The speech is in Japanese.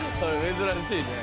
珍しいね。